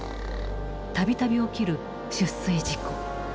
度々起きる出水事故。